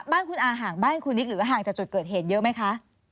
บ้านคุณอาห่างบ้านคุณนิกหรือว่าห่างจากจุดเกิดเหตุเยอะไหมคะ